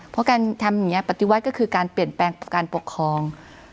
เพราะการทำอย่างนี้ปฏิวัติก็คือการเปลี่ยนแปลงการปกครอง